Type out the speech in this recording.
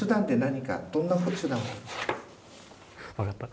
分かった。